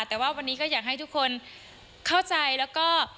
แต่ว่าวันนี้ก็อยากให้ทุกคนเข้าใจแล้วก็